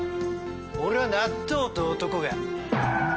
俺は納豆と男が。